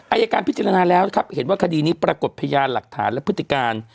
อายการพิจารณาแล้วนะครับเห็นว่าคดีนี้ปรากฏพยานหลักฐานและพฤติการ